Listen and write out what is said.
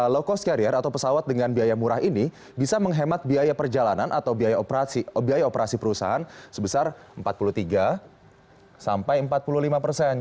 low cost carrier atau pesawat dengan biaya murah ini bisa menghemat biaya perjalanan atau biaya operasi perusahaan sebesar empat puluh tiga sampai empat puluh lima persen